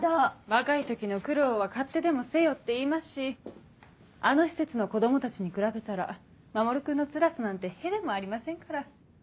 若い時の苦労は買ってでもせよっていいますしあの施設の子供たちに比べたら守君のつらさなんて屁でもありませんから。